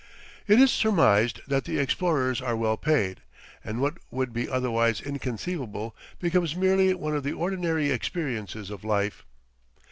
It is surmised that the explorers are well paid, and what would be otherwise inconceivable becomes merely one of the ordinary experiences of life.